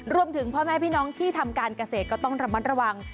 พ่อแม่พี่น้องที่ทำการเกษตรก็ต้องระมัดระวัง